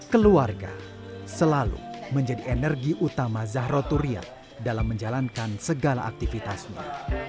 keluarga selalu menjadi energi utama zahro turiat dalam menjalankan segala aktivitasnya